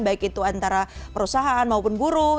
baik itu antara perusahaan maupun buruh